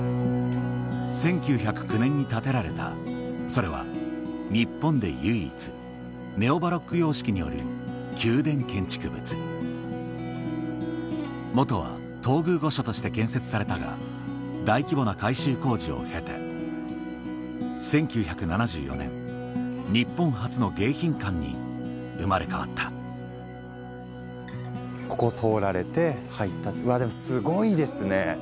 １９０９年に建てられたそれは日本で唯一ネオ・バロック様式による宮殿建築物元は東宮御所として建設されたが大規模な改修工事を経て１９７４年日本初の迎賓館に生まれ変わったここ通られて入ったうわでもすごいですね。